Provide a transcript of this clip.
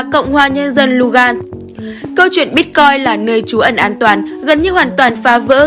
câu chuyện bitcoin là nơi trú ẩn an toàn gần như hoàn toàn phá vỡ